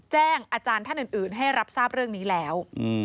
อาจารย์ท่านอื่นให้รับทราบเรื่องนี้แล้ว